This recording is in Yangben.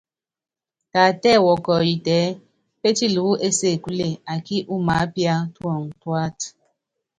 Taatɛ́ɛ wɔkɔyitɛ ɛ́ɛ́ pétili wú ésekúle akí umaápíá tuɔŋu tuáta.